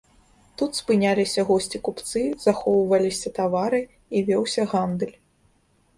Тут спыняліся госці-купцы, захоўваліся тавары, і вёўся гандаль.